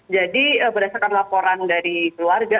jadi berdasarkan laporan dari keluarga